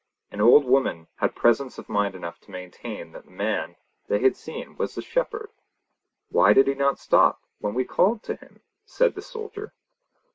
An old woman had presence of mind enough to maintain that the man they had seen was the shepherd. 'Why did he not stop when we called to him?' said the soldier.